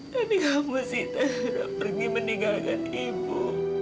tapi kamu sita sudah pergi meninggalkan ibu